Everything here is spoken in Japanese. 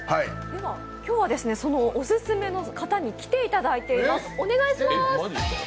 今日はそのオススメの方に来ていただいています。